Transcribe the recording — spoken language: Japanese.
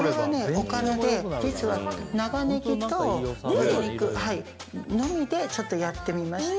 おからで長ネギと鶏肉のみでちょっとやってみました。